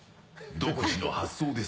独自の発想で探す